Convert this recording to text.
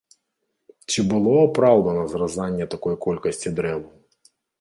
Ці было апраўдана зразанне такой колькасці дрэваў?